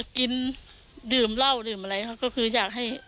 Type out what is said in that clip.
กินดื่มเล่าอะไรก็คืออยากให้